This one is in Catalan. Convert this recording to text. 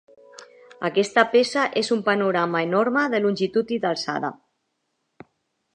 Aquesta peça és un panorama enorme de longitud i d'alçada.